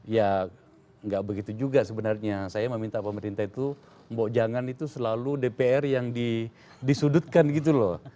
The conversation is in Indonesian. ya nggak begitu juga sebenarnya saya meminta pemerintah itu mbok jangan itu selalu dpr yang disudutkan gitu loh